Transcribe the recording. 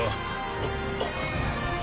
あっ。